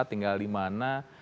tinggal di mana